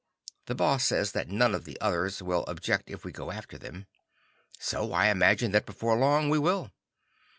The Boss says that none of the others will object if we go after them. So I imagine that before long we will.